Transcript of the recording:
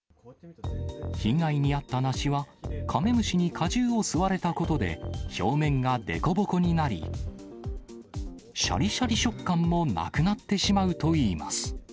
被害に遭った梨は、カメムシに果汁を吸われたことで、表面が凸凹になり、しゃりしゃり食感もなくなってしまうといいます。